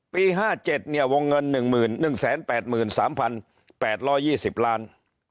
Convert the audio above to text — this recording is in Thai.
๕๗เนี่ยวงเงิน๑๑๘๓๘๒๐ล้าน